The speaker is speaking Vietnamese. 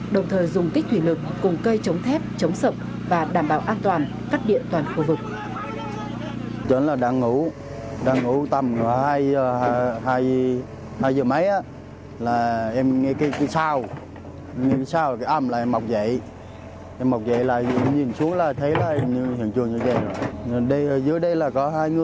đồng thời dùng kích thủy lực cùng cây chống thép chống sập và đảm bảo an toàn các địa toàn khu vực